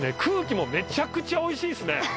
空気もめちゃくちゃおいしいですね。